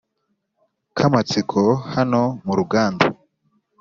kamatsiko hano muruganda